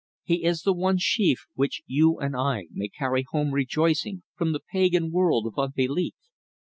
He is the one sheaf which you and I may carry home rejoicing from the pagan world of unbelief.